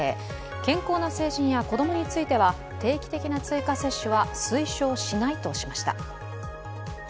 健康な成人や子供については定期的な追加接種は推奨しないとしました。